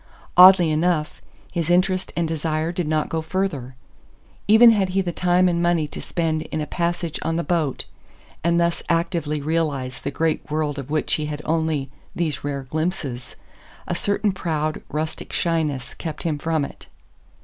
Oddly enough, his interest and desire did not go further. Even had he the time and money to spend in a passage on the boat, and thus actively realize the great world of which he had only these rare glimpses, a certain proud, rustic shyness kept him from it.